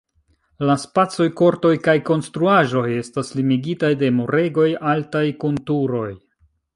La spacoj, kortoj kaj konstruaĵoj estas limigitaj de muregoj altaj kun turoj.